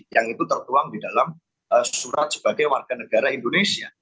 yang itu tertuang di dalam surat sebagai warga negara indonesia